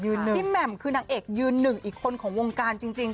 พี่แหม่มคือนางเอกยืนหนึ่งอีกคนของวงการจริง